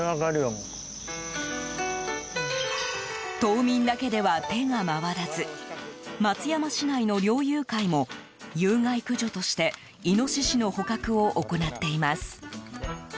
島民だけでは手が回らず松山市内の猟友会も有害駆除としてイノシシの捕獲を行っています。